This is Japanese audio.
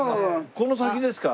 この先ですか？